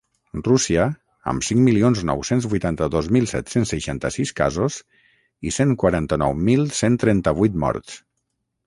Rússia, amb cinc milions nou-cents vuitanta-dos mil set-cents seixanta-sis casos i cent quaranta-nou mil cent trenta-vuit morts.